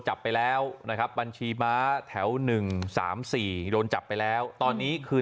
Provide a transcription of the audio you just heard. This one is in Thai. จับไปแล้วนะครับบัญชีม้าแถว๑๓๔โดนจับไปแล้วตอนนี้คือ